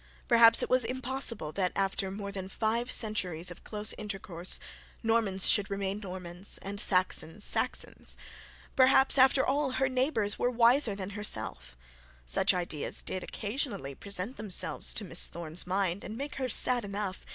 Perhaps it was impossible that after more than five centuries of close intercourse, Normans should remain Normans, and Saxons, Saxons. Perhaps after all her neighbours were wiser than herself, such ideas did occasionally present themselves to Miss Thorne's mind, and make her sad enough.